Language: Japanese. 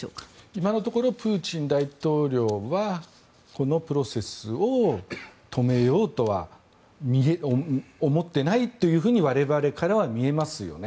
今のところプーチン大統領はこのプロセスを止めようとは思ってないというふうに我々からは見えますよね。